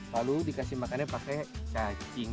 lalu dikasih makannya pakai cacing